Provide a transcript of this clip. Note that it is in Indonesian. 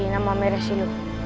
nama merah silu